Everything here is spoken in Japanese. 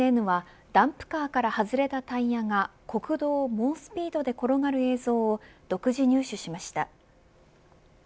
ＦＮＮはダンプカーから外れたタイヤが国道を猛スピードで転がる映像を独自入手しました。